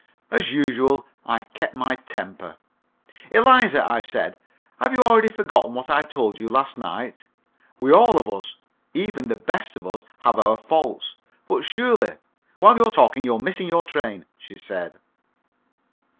As usual, I kept my temper. "Eliza," I said, "have you already forgotten what I told you last night? We all of us even the best of us have our faults, but surely " "While you're talking you're missing your train," she said.